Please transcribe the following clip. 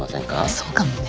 そうかもね。